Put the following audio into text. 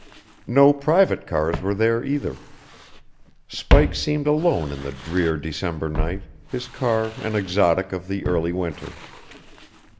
No private cars were there, either. Spike seemed alone in the drear December night, his car an exotic of the early winter.